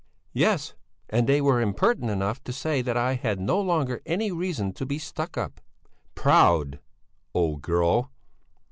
"Yes! And they were impertinent enough to say that I had no longer any reason to be stuck up...." "Proud, old girl!"